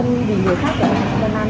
vì người khác để anh trung văn nam như vậy